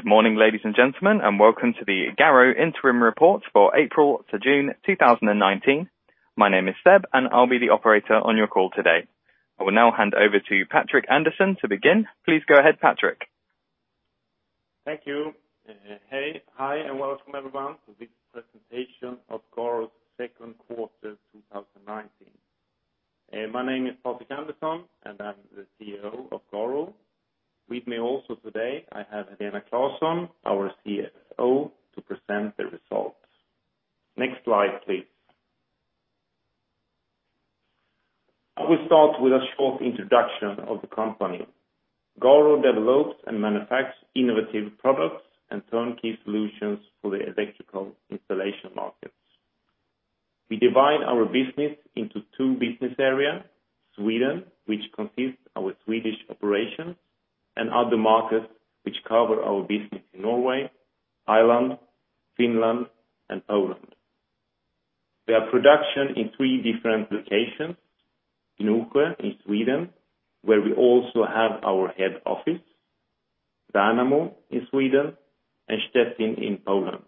Good morning, ladies and gentlemen, and welcome to the GARO Interim Report for April to June 2019. My name is Seb, and I'll be the operator on your call today. I will now hand over to Patrik Andersson to begin. Please go ahead, Patrik. Thank you. Hey, hi, and welcome everyone to this presentation of GARO's second quarter 2019. My name is Patrik Andersson, and I'm the CEO of GARO. With me also today, I have Helena Claesson, our CFO, to present the results. Next slide, please. I will start with a short introduction of the company. GARO develops and manufactures innovative products and turnkey solutions for the electrical installation markets. We divide our business into two business areas: Sweden, which consists of Swedish operations, and other markets which cover our business in Norway, Ireland, Finland, and Poland. We have production in three different locations: Gnosjö in Sweden, where we also have our head office; Värnamo, in Sweden; and Szczecin, in Poland.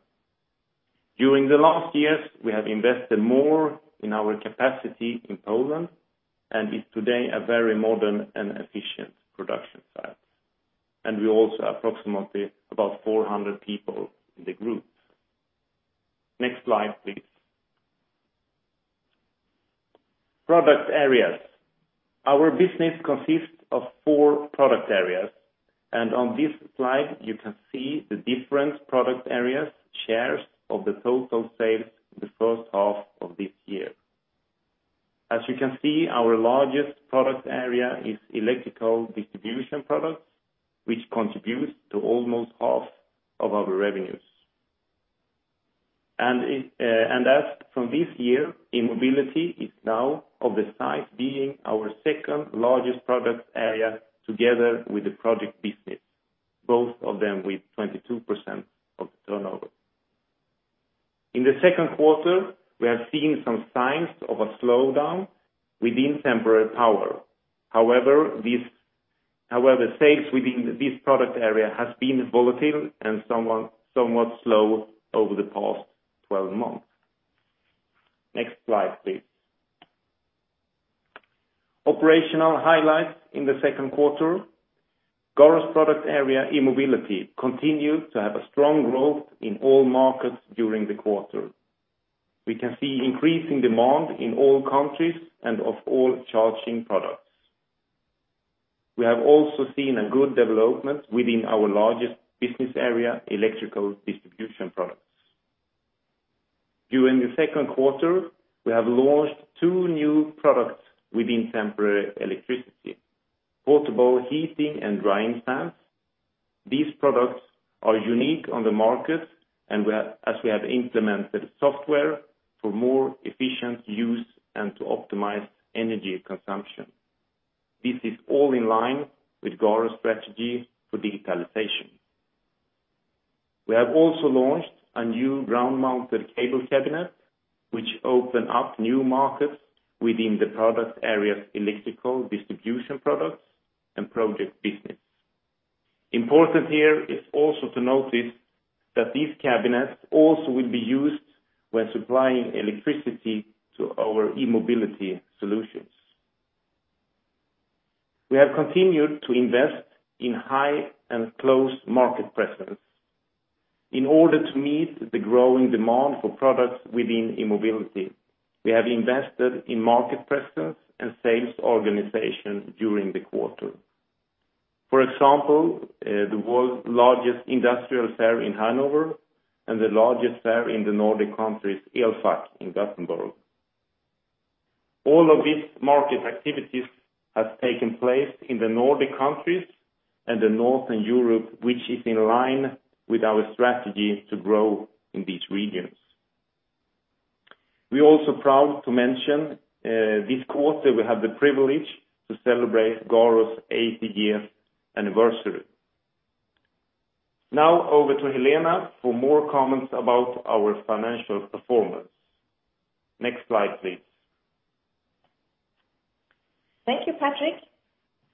During the last years, we have invested more in our capacity in Poland and is today a very modern and efficient production site. We also have approximately about 400 people in the group. Next slide, please. Product areas. Our business consists of four product areas, and on this slide you can see the different product areas shares of the total sales in the first half of this year. As you can see, our largest product area is electrical distribution products, which contributes to almost half of our revenues. And as from this year, e-mobility is now of the size being our second largest product area together with the project business, both of them with 22% of the turnover. In the second quarter, we have seen some signs of a slowdown within temporary power. However, sales within this product area has been volatile and somewhat slow over the past 12 months. Next slide, please. Operational highlights in the second quarter. GARO's product area, e-mobility, continued to have a strong growth in all markets during the quarter. We can see increasing demand in all countries and of all charging products. We have also seen a good development within our largest business area, electrical distribution products. During the second quarter, we have launched two new products within temporary electricity: portable heating and drying fans. These products are unique on the market, and we have implemented software for more efficient use and to optimize energy consumption. This is all in line with GARO's strategy for digitalization. We have also launched a new ground-mounted cable cabinet, which opened up new markets within the product areas electrical distribution products and project business. Important here is also to notice that these cabinets also will be used when supplying electricity to our e-mobility solutions. We have continued to invest in high and close market presence. In order to meet the growing demand for products within E-mobility, we have invested in market presence and sales organization during the quarter. For example, the world's largest industrial fair in Hanover and the largest fair in the Nordic countries, Elfack, in Gothenburg. All of these market activities have taken place in the Nordic countries and Northern Europe, which is in line with our strategy to grow in these regions. We are also proud to mention, this quarter we have the privilege to celebrate GARO's 80-year anniversary. Now over to Helena for more comments about our financial performance. Next slide, please. Thank you, Patrik.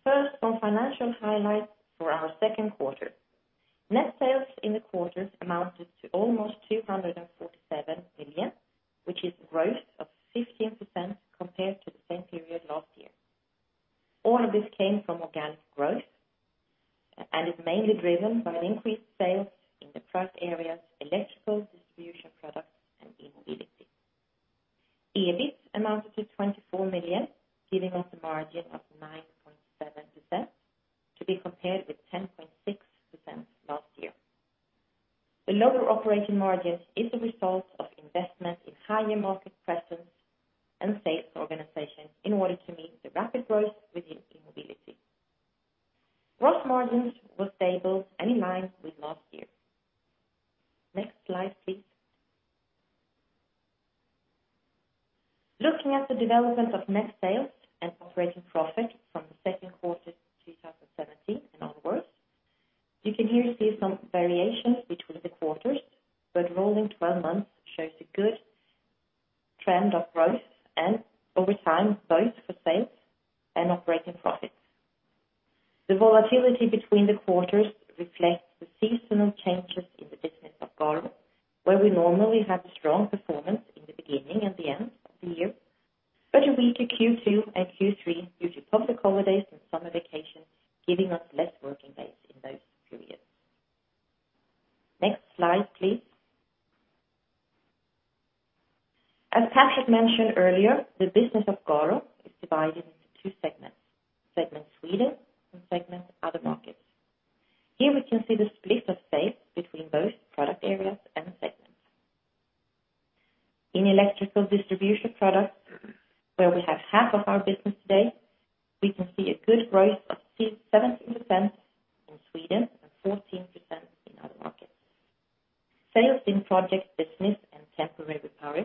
First, some financial highlights for our second quarter. Net sales in the quarter amounted to almost 247 million, which is a growth of 15% compared to the same period last year. All of this came from organic growth, and is mainly driven by an increased sales in the product areas electrical distribution products and e-mobility. EBIT amounted to 24 million, giving us a margin of 9.7% to be compared with 10.6% last year. The lower operating margin is a result of investment in higher market presence and sales organization in order to meet the rapid growth within e-mobility. Gross margins were stable and in line with last year. Next slide, please. Looking at the development of net sales and operating profit from the second quarter 2017 and onwards, you can here see some variations between the quarters, but rolling 12 months shows a good trend of growth and, over time, both for sales and operating profits. The volatility between the quarters reflects the seasonal changes in the business of GARO, where we normally have strong performance in the beginning and the end of the year, but a weaker Q2 and Q3 due to public holidays and summer vacations, giving us less working days in those periods. Next slide, please. As Patrik mentioned earlier, the business of GARO is divided into two segments: segment Sweden and segment other markets. Here we can see the split of sales between both product areas and segments. In electrical distribution products, where we have half of our business today, we can see a good growth of 17% in Sweden and 14% in other markets. Sales in project business and temporary power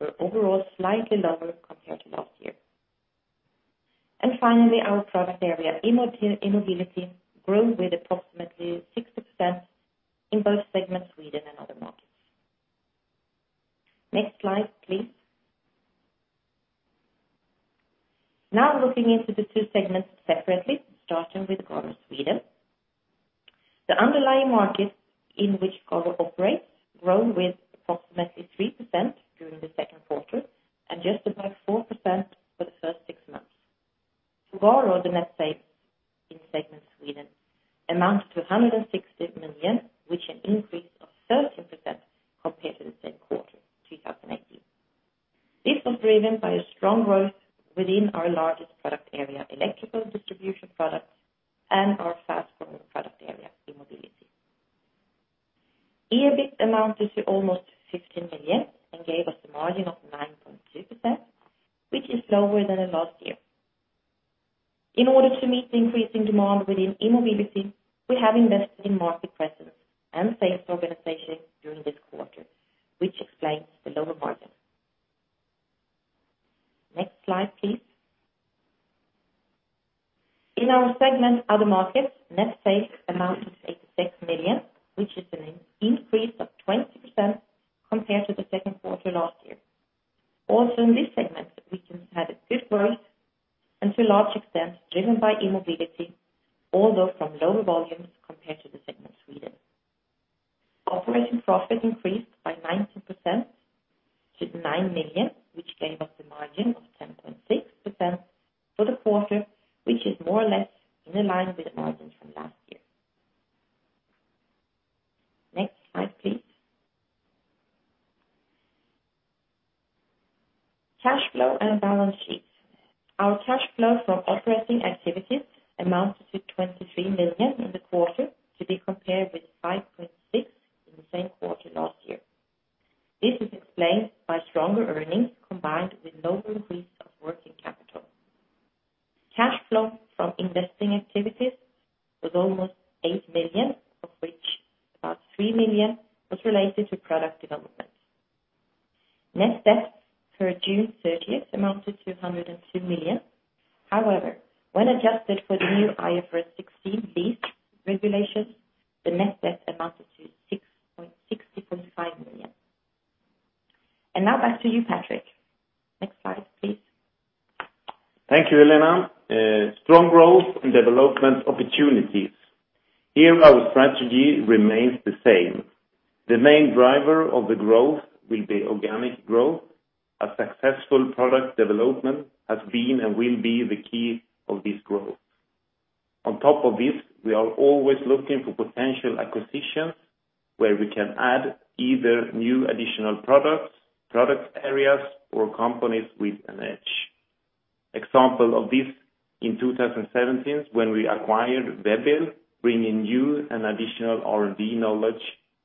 were overall slightly lower compared to last year. Finally, our product area, e-mobility, grew with approximately 60% in both segment Sweden and other markets. Next slide, please. Now looking into the two segments separately, starting with GARO Sweden. The underlying markets in which GARO operates grow with approximately 3% during the second quarter and just about 4% for the first six months. For GARO, the net sales in segment Sweden amounted to 160 million, which is an increase of 13% compared to the same quarter, 2018. This was driven by a strong growth within our largest product area, electrical distribution products, and our fast-growing product area, e-mobility. EBIT amounted to almost 15 million and gave us a margin of 9.2%, which is lower than last year. In order to meet the increasing demand within e-mobility, we have invested in market presence and sales organization during this quarter, which explains the lower margin. Next slide, please. In our segment other markets, net sales amounted to 86 million, which is an increase of 20% compared to the second quarter last year. Also in this segment, we can have a good growth and to a large extent driven by e-mobility, although from lower volumes compared to the segment Sweden. Operating profit increased by 19% to 9 million, which gave us a margin of 10.6% for the quarter, which is more or less in line with the margins from last year. Next slide, please. Cash flow and balance sheet. Our cash flow from operating activities amounted to 23 million in the quarter to be compared with 5.6 million in the same quarter last year. This is explained by stronger earnings combined with lower increase of working capital. Cash flow from investing activities was almost 8 million, of which about 3 million was related to product development. Net debt per June 30th amounted to SEK 102 million. However, when adjusted for the new IFRS 16 lease regulations, the net debt amounted to SEK 66.5 million. And now back to you, Patrik. Next slide, please. Thank you, Helena. Strong growth and development opportunities. Here our strategy remains the same. The main driver of the growth will be organic growth, as successful product development has been and will be the key of this growth. On top of this, we are always looking for potential acquisitions where we can add either new additional products, product areas, or companies with an edge. Example of this in 2017 when we acquired WEB-EL, bringing new and additional R&D knowledge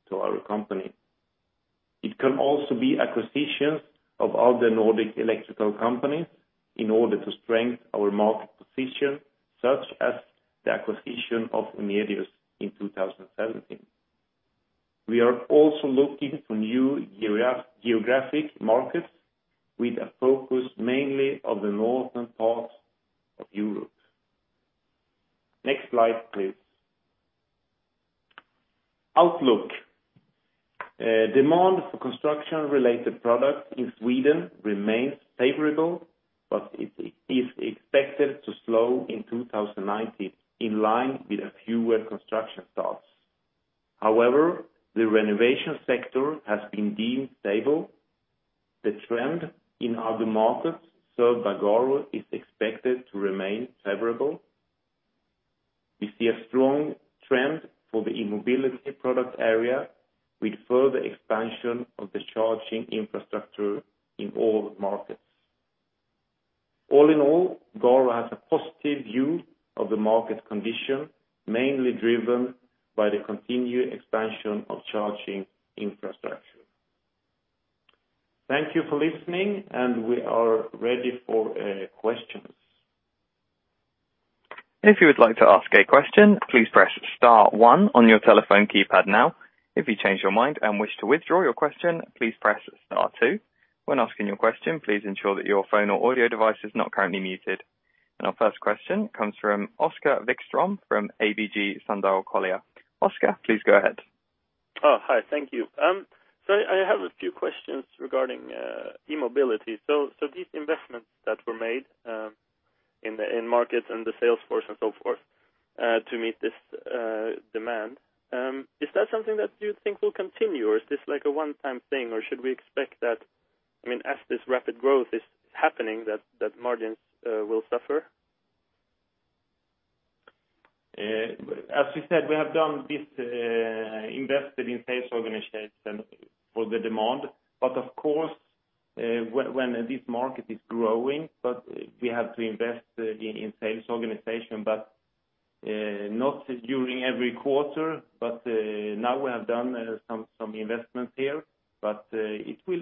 to our company. It can also be acquisitions of other Nordic electrical companies in order to strengthen our market position, such as the acquisition of Emedius in 2017. We are also looking for new geographic markets with a focus mainly on the northern parts of Europe. Next slide, please. Outlook. Demand for construction-related products in Sweden remains favorable, but it is expected to slow in 2019 in line with fewer construction starts. However, the renovation sector has been deemed stable. The trend in other markets served by GARO is expected to remain favorable. We see a strong trend for the e-mobility product area with further expansion of the charging infrastructure in all markets. All in all, GARO has a positive view of the market condition, mainly driven by the continued expansion of charging infrastructure. Thank you for listening, and we are ready for questions. If you would like to ask a question, please press Star 1 on your telephone keypad now. If you change your mind and wish to withdraw your question, please press Star 2. When asking your question, please ensure that your phone or audio device is not currently muted. Our first question comes from Oskar Vikström from ABG Sundal Collier. Oskar, please go ahead. Oh, hi. Thank you. So I have a few questions regarding E-mobility. So these investments that were made in the markets and the sales force and so forth, to meet this demand, is that something that you think will continue, or is this like a one-time thing, or should we expect that I mean, as this rapid growth is happening, that margins will suffer? As you said, we have done this, invested in sales organization for the demand. But of course, when this market is growing, but we have to invest in sales organization, but not during every quarter. But now we have done some investments here, but it will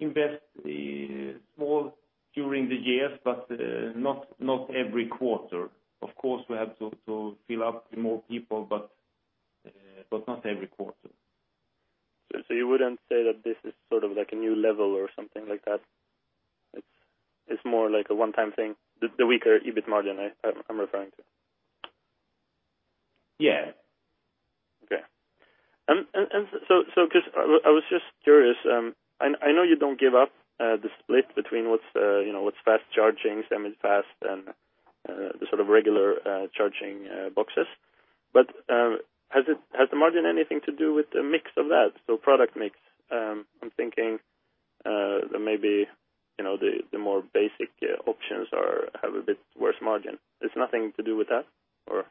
invest small during the years, but not every quarter. Of course, we have to fill up with more people, but not every quarter. So, you wouldn't say that this is sort of like a new level or something like that? It's more like a one-time thing? The weaker EBIT margin I'm referring to? Yeah. Okay. So 'cause I was just curious, I know you don't give out the split between what's, you know, what's fast charging, semi-fast, and the sort of regular charging boxes. But, has the margin anything to do with the mix of that? So product mix. I'm thinking that maybe, you know, the more basic options have a bit worse margin. It's nothing to do with that, or?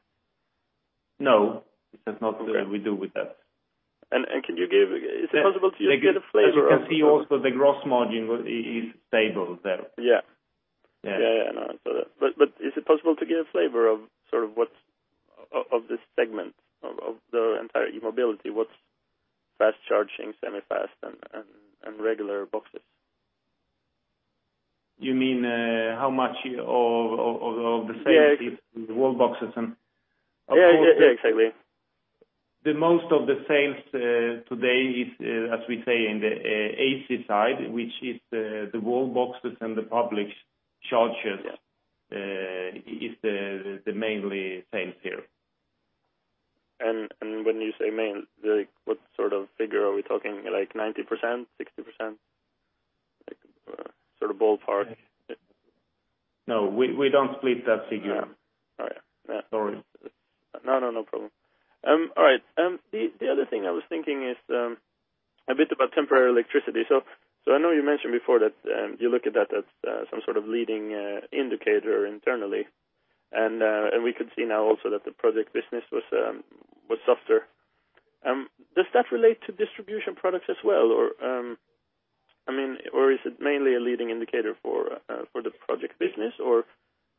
No. It has not to do. Okay. We do with that. And can you give? Is it possible to. Yeah. Give a flavor of? As you can see also, the gross margin is stable there. Yeah. Yeah. Yeah, yeah, no. I saw that. But is it possible to give a flavor of sort of what's of this segment, of the entire e-mobility? What's fast charging, semi-fast, and regular boxes? You mean, how much of the sales. Yeah. Is Wallboxes and of course. Yeah, yeah, yeah, exactly. The most of the sales today is, as we say, in the AC side, which is the Wallboxes and the public chargers. Yeah.... is the mainly sales here. And when you say main, like, what sort of figure are we talking? Like, 90%, 60%? Like, sort of ballpark? Yeah. Yeah. No, we don't split that figure. Yeah. Oh, yeah. Yeah. Sorry. No, no, no problem. All right. The other thing I was thinking is a bit about temporary electricity. So I know you mentioned before that you look at that as some sort of leading indicator internally. And we could see now also that the project business was softer. Does that relate to distribution products as well, or I mean, or is it mainly a leading indicator for the project business, or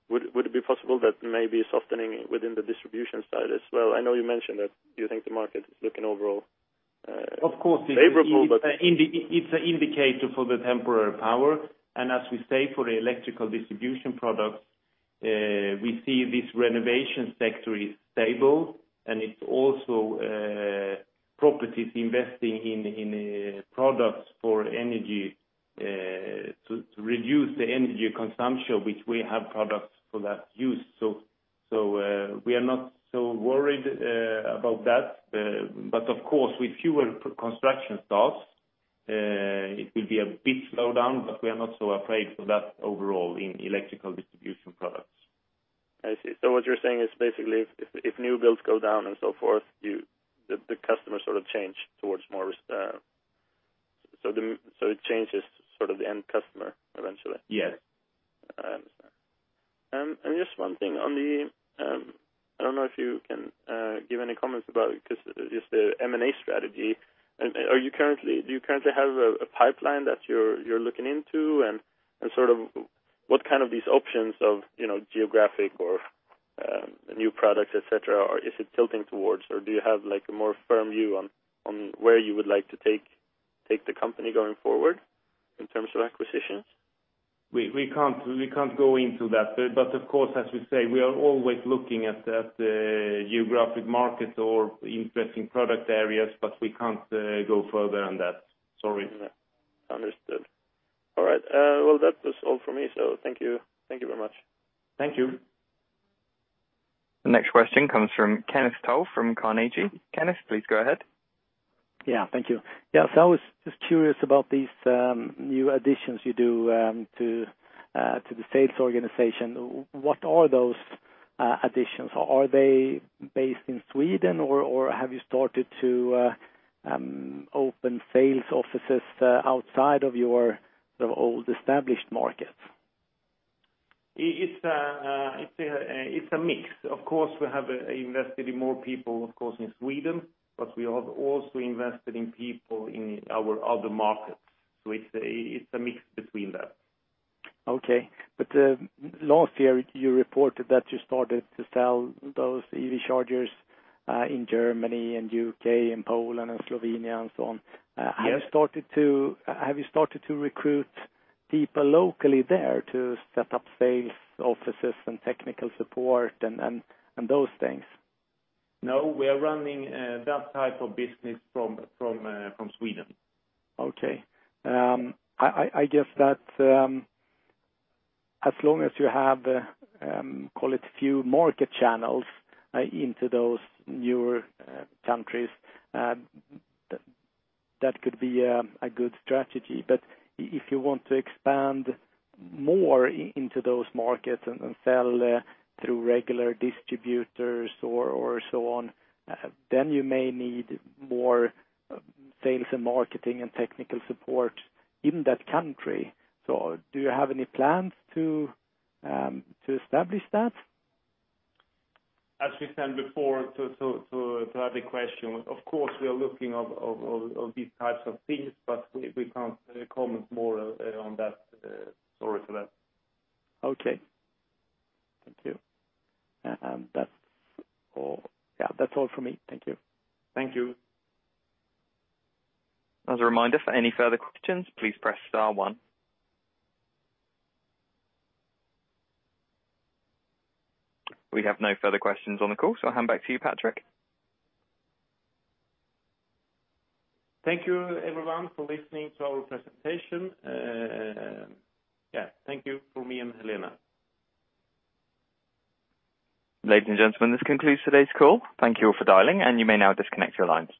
would it be possible that maybe softening within the distribution side as well? I know you mentioned that you think the market is looking overall, Of course, it is. Favorable, but. It's an indicator for the temporary power. And as we say for the electrical distribution products, we see this renovation sector is stable, and it's also properties investing in products for energy to reduce the energy consumption, which we have products for that use. So, we are not so worried about that. But of course, with fewer construction starts, it will be a bit slowed down, but we are not so afraid for that overall in electrical distribution products. I see. So what you're saying is basically if new builds go down and so forth, the customers sort of change towards more re so, the m so it changes sort of the end customer eventually? Yes. I understand. Just one thing. On the, I don't know if you can give any comments about 'cause just the M&A strategy. And, and are you currently do you currently have a, a pipeline that you're, you're looking into, and, and sort of what kind of these options of, you know, geographic or new products, etc., are is it tilting towards or do you have, like, a more firm view on, on where you would like to take, take the company going forward in terms of acquisitions? We can't go into that bit. But of course, as we say, we are always looking at the geographic market or interesting product areas, but we can't go further than that. Sorry. Yeah. Understood. All right. Well, that was all for me, so thank you. Thank you very much. Thank you. The next question comes from Kenneth Toll from Carnegie. Kenneth, please go ahead. Yeah, thank you. Yeah, so I was just curious about these new additions you do to the sales organization. What are those additions? Are they based in Sweden, or have you started to open sales offices outside of your sort of old established markets? It's a mix. Of course, we have invested in more people, of course, in Sweden, but we have also invested in people in our other markets. So it's a mix between that. Okay. But last year, you reported that you started to sell those EV chargers in Germany and U.K. and Poland and Slovenia and so on. Have you started to recruit people locally there to set up sales offices and technical support and those things? No, we are running that type of business from Sweden. Okay. I guess that, as long as you have, call it few market channels, into those newer countries, that could be a good strategy. But if you want to expand more into those markets and sell through regular distributors or so on, then you may need more sales and marketing and technical support in that country. So do you have any plans to establish that? As we said before, to add a question, of course, we are looking of these types of things, but we can't comment more on that. Sorry for that. Okay. Thank you. That's all, yeah, that's all for me. Thank you. Thank you. As a reminder, for any further questions, please press Star 1. We have no further questions on the call, so I'll hand back to you, Patrik. Thank you, everyone, for listening to our presentation. Yeah, thank you from me and Helena. Ladies and gentlemen, this concludes today's call. Thank you all for dialing, and you may now disconnect your lines.